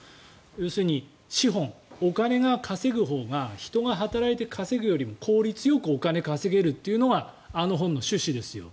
要するに資本稼ぐほうが人が働いて稼ぐよりも効率よくお金を稼げるというのがあの本の趣旨ですよ。